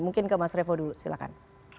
mungkin ke mas revo dulu silahkan